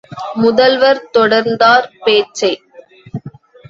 முதல்வர் தொடர்ந்தார் பேச்சை.